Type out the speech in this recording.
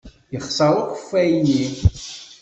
Yexṣer ukeffay-nni.